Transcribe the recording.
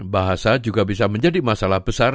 bahasa juga bisa menjadi masalah besar